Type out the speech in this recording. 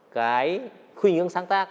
cái khuyên hướng sáng tác